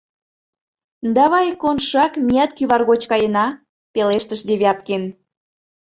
— Давай, Коншак, меат кӱвар гоч каена, — пелештыш Девяткин.